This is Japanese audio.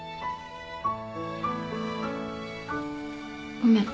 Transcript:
ごめん。